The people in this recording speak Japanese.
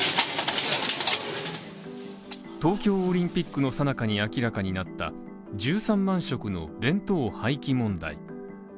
東京オリンピックの最中に明らかになった１３万食の弁当廃棄問題。